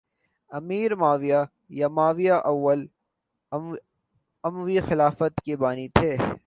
امیر Muawiya یا Muawiya اول اموی خلافت کے بانی تھے